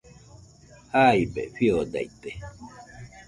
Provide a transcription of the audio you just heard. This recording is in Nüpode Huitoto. Jaibe fiodaite